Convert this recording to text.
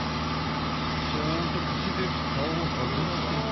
ちゃんとくちでフタをはずして。